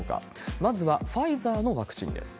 まずはファイザーのワクチンです。